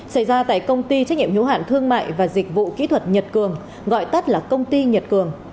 xảy ra tại công ty trách nhiệm hiếu hạn thương mại và dịch vụ kỹ thuật nhật cường gọi tắt là công ty nhật cường